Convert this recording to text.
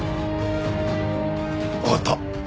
わかった。